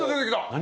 何？